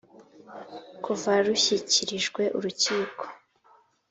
kuva rushyikirijwe urukiko.